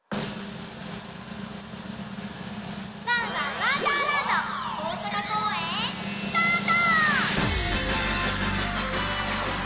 「ワンワンわんだーらんど」大阪こうえんスタート！